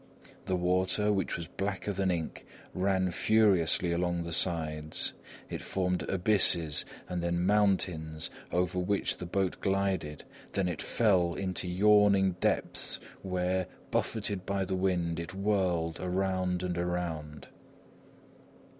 The water, which was blacker than ink, ran furiously along the sides. It formed abysses and then mountains, over which the boat glided, then it fell into yawning depths where, buffeted by the wind, it whirled around and around.